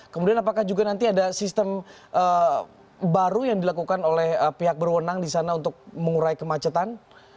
kemudian apakah juga nanti ada sistem baru yang dilakukan oleh pihak berwenang di sana untuk mengurai kemacetan